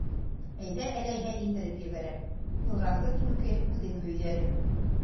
Әйҙә әләйһәң, индереп ебәрәм, нужаңды түлке үҙең һөйҙәрең!